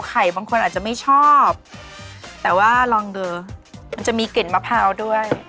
บางคนอาจจะไม่ชอบแต่ว่าลองดูมันจะมีกลิ่นมะพร้าวด้วย